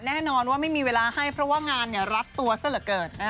แน่นอนว่าไม่มีเวลาให้เพราะว่างานเนี่ยรักตัวซะละเกิดนะครับ